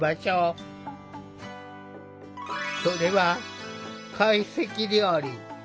それは会席料理。